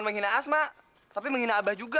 menghina asma tapi menghina abah juga